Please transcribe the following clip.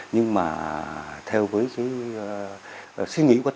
nhưng mà theo với cái suy nghĩ của anh